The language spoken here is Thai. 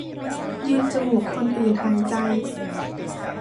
ยืมจมูกคนอื่นหายใจ